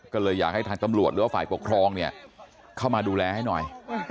ก็เลยอยากให้ทางตำรวจหรือว่าฝ่ายปกครองเนี่ยเข้ามาดูแลให้หน่อย